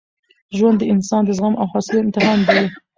ژوند د انسان د زغم او حوصلې امتحان دی.